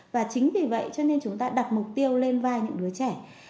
và chính vì vậy cho nên chúng ta đặt mục tiêu lên vai những đứa trẻ